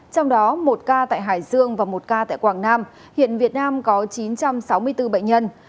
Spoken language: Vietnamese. trong đó một ca tại hải dương và một ca tại quảng nam hiện việt nam có chín trăm sáu mươi bốn bệnh nhân